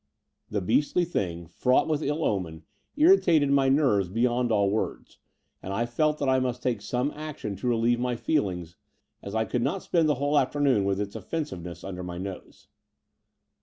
The beastly thing, fraught with ill omen, irri tated my nerves beyond all words : and I felt that I must take some action to relieve my feelings, as I could not spend the whole afternoon with its oflEensiveness under my nose.